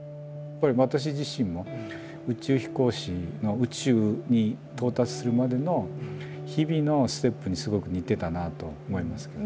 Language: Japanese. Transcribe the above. やっぱり私自身も宇宙飛行士の宇宙に到達するまでの日々のステップにすごく似てたなあと思います。